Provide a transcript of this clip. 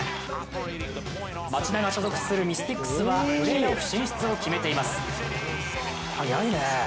町田が所属するミスティックスはプレーオフ進出を決めています。